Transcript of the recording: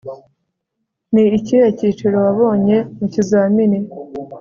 Ni ikihe cyiciro wabonye mu kizamini